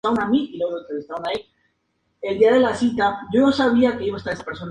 Su padre declaró posteriormente que Jan Carl no soportaba la violencia.